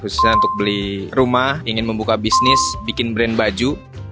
khususnya untuk beli rumah ingin membuka bisnis bikin brand baju